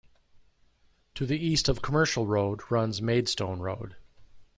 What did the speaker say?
To the east of "Commercial Road", runs "Maidstone Road".